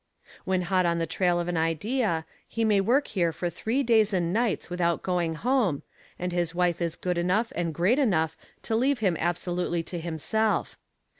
When hot on the trail of an idea he may work here for three days and nights without going home, and his wife is good enough and great enough to leave him absolutely to himself.